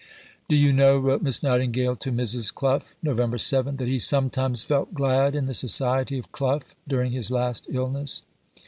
"Do you know," wrote Miss Nightingale to Mrs. Clough (Nov. 7), "that he sometimes felt glad in the society of 'Clough' during his last illness?